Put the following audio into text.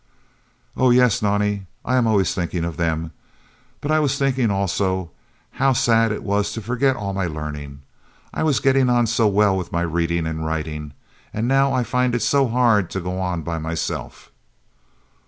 "Oh yes, Nonnie, I am always thinking of them, but I was thinking also how sad it was to forget all my learning. I was getting on so well with my reading and writing, and now I find it so hard to go on by myself."